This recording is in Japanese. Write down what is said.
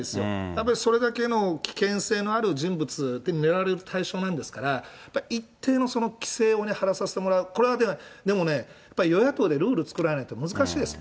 やっぱりそれだけの危険性のある人物、狙われる対象なんですから、一定の規制をはらさせてもらう、これはでもね、与野党でルール作らないと難しいです。